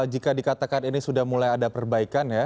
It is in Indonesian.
jika dikatakan ini sudah mulai ada perbaikan ya